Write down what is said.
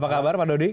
apa kabar pak dodi